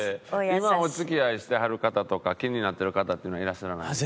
今お付き合いしてはる方とか気になってる方っていうのはいらっしゃらないんですか？